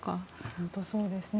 本当にそうですね。